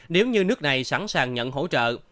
nếu như nước này sẵn sàng nhận hỗ trợ